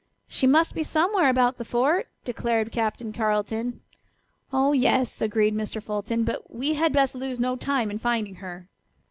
"She must be somewhere about the fort," declared Captain Carleton. "Oh, yes," agreed Mr. Fulton, "but we had best lose no time in finding her."